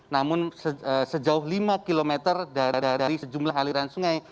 namun sejauh lima km dari sejumlah aliran sungai